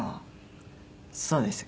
そうです。